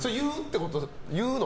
言うの？